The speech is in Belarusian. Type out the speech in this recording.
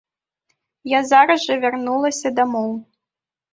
Я зараз жа вярнулася дамоў.